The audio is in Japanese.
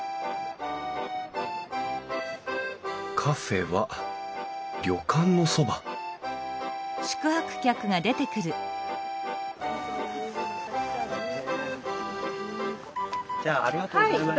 カフェは旅館のそばじゃあありがとうございました。